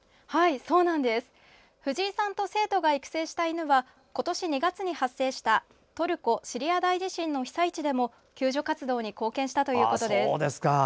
藤井さんと生徒が育成した犬は今年２月に発生したトルコ・シリア大地震の被災地でも救助活動に貢献したということです。